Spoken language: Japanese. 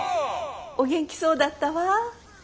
お元気そうだったわ。